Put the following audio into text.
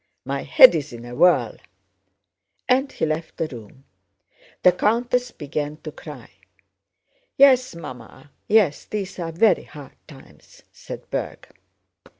"My head's in a whirl!" And he left the room. The countess began to cry. "Yes, Mamma! Yes, these are very hard times!" said Berg.